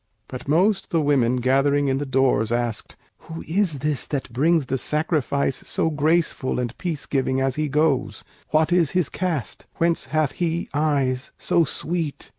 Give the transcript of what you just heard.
But most the women gathering in the doors Asked, "Who is this that brings the sacrifice So graceful and peace giving as he goes? What is his caste? whence hath he eyes so sweet?